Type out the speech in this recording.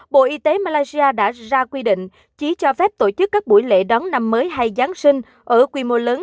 bộ y tế malaysia đã ra quy định chỉ cho phép tổ chức các buổi lễ đón năm mới hay giáng sinh ở quy mô lớn